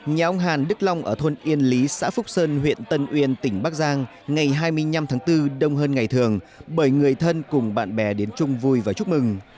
nhà ông hàn đức long ở thôn yên lý xã phúc sơn huyện tân uyên tỉnh bắc giang ngày hai mươi năm tháng bốn đông hơn ngày thường bởi người thân cùng bạn bè đến chung vui và chúc mừng